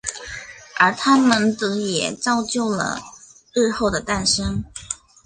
而他们的也造就了日后的诞生。